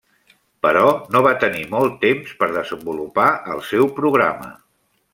Però no va tenir molt temps per desenvolupar el seu programa.